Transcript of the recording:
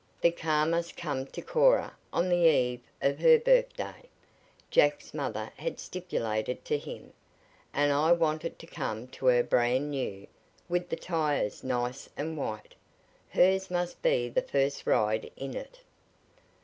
"The car must come to Cora on the eve of her birthday," Jack's mother had stipulated to him, "and I want it to come to her brand new, with the tires nice and white. Hers must be the first ride in it."